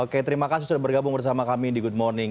oke terima kasih sudah bergabung bersama kami di good morning